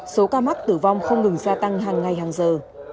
số ca mắc tử vong không ngừng gia tăng hàng ngày hàng giờ